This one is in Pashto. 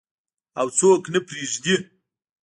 او څوک نه پریږدي.